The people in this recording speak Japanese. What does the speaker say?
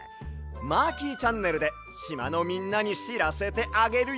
「マーキーチャンネル」でしまのみんなにしらせてあげるＹＯ！